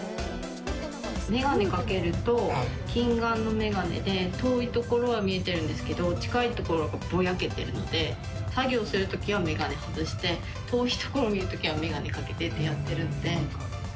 眼鏡かけると近眼の眼鏡で、遠い所は見えてるんですけど、近い所はぼやけてるので、作業するときは眼鏡外して、遠い所を見るときは眼鏡かけてってやってるので。